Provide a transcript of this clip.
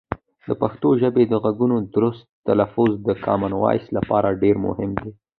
د پښتو ژبې د غږونو درست تلفظ د کامن وایس لپاره ډېر مهم دی.